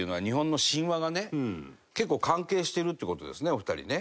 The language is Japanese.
お二人ね。